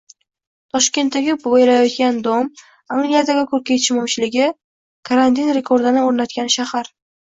Toshkentdagi bo‘yalayotgan dom, Angliyada kurka yetishmovchiligi, karantin rekordini o‘rnatgan shahar